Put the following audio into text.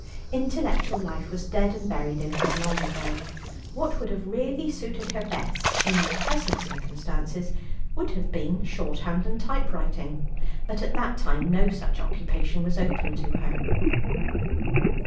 Intellectual life was dead and buried in her long ago. What would have really suited her best in the present circumstances would have been shorthand and type writing, but at that time no such occupation was open to her.